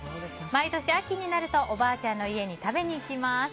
毎年秋になるとおばあちゃんの家に食べに行きます。